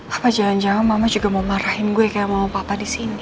apa jangan jangan mama juga mau marahin gue kayak mama papa di sini